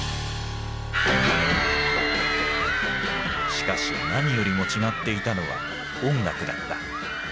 しかし何よりも違っていたのは音楽だった。